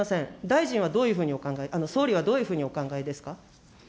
大臣はどういうふうにお考え、総理はどういうふうにお考えですか。